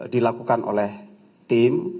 dilakukan oleh tim